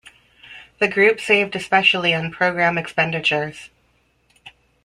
The group saved especially on program expenditures.